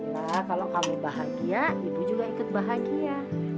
syukurlah kalau kamu bahagia ibu juga ikut bahagia